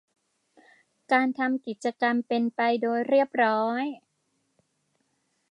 การทำกิจกรรมเป็นไปโดยเรียบร้อย